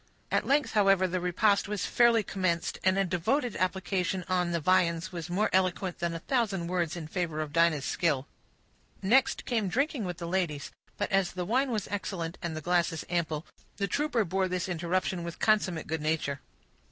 At length, however, the repast was fairly commenced, and a devoted application to the viands was more eloquent than a thousand words in favor of Dinah's skill. Next came drinking with the ladies; but as the wine was excellent, and the glasses ample, the trooper bore this interruption with consummate good nature.